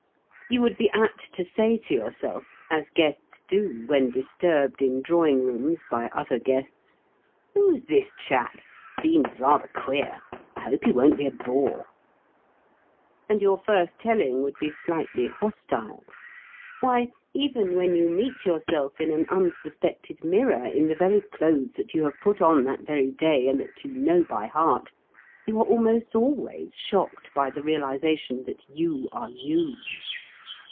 You would be apt to say to yourself, as guests do when disturbed in drawing rooms by other guests: "Who's this chap? Seems rather queer, I hope he won't be a bore." And your first telling would be slightly hostile. Why, even when you meet yourself in an unsuspected mirror in the very clothes that you have put on that very day and that you know by heart, you are almost always shocked by the realization that you are you.